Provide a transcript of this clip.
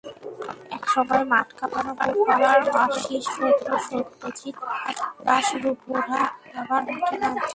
একসময়ের মাঠ কাঁপানো ফুটবলার আশীষ ভদ্র, সত্যজিৎ দাশ রুপুরা আবার মাঠে নামছেন।